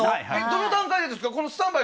どの段階でですか？